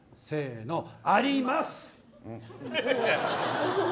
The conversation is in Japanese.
あります。